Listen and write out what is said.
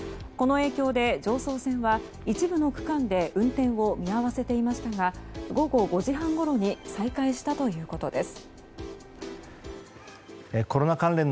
この影響で、常総線は一部の区間で運転を見合わせていましたが午後５時半ごろに再開したということです。